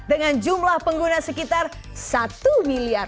dengan jumlah pengguna sekitar satu miliar